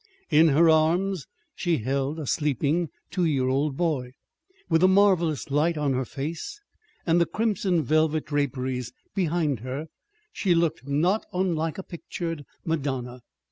In her arms she held a sleeping two year old boy. With the marvelous light on her face, and the crimson velvet draperies behind her, she looked not unlike a pictured Madonna.